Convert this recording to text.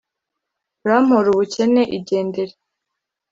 Urampora ubukene, igendere